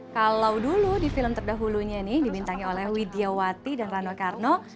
kalau dulu di film terdahulunya nih dibintangi oleh widya wati dan rano karno